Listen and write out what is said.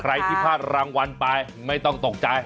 ใครที่พลาดรางวัลไปไม่ต้องตกใจ